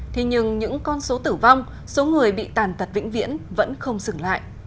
thế nhưng những con số tử vong số người bị tàn tật vĩnh viễn vẫn không dừng lại